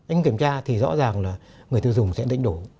anh kiểm tra thì rõ ràng là người tiêu dùng sẽ định đủ